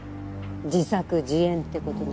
自作自演ってことね？